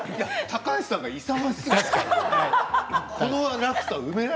高橋さんが勇ましすぎたから。